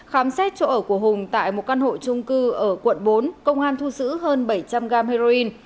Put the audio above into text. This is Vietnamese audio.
khám xét chỗ ở của hùng tại một căn hộ trung cư ở quận bốn công an thu giữ hơn bảy trăm linh g heroin